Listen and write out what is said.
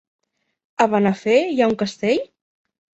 A Benafer hi ha un castell?